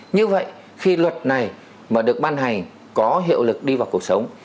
như vậy khi luật này mà được ban hành có hiệu lực đi vào cuộc sống